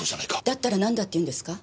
だったらなんだっていうんですか？